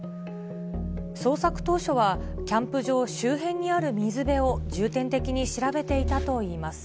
捜索当初はキャンプ場周辺にある水辺を重点的に調べていたといいます。